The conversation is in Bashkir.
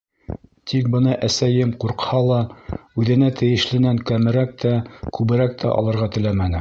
Тик бына әсәйем, ҡурҡһа ла, үҙенә тейешленән кәмерәк тә, күберәк тә алырға теләмәне.